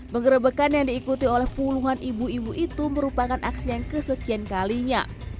penggerebekan yang diikuti oleh puluhan ibu ibu itu merupakan aksi yang kesekian kalinya